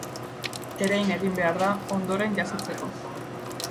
Erein egin behar da, ondoren jasotzeko.